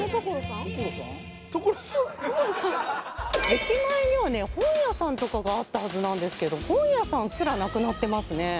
駅前にはね本屋さんとかがあったはずなんですけど本屋さんすらなくなってますね。